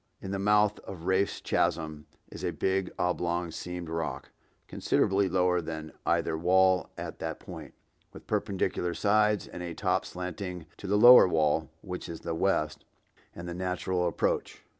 In the mouth of Rafe's Chasm is a big oblong seamed rock, considerably lower than either wall at that point, with perpendicular sides and top slanting to the lower wall, which is the west, and the natural approach.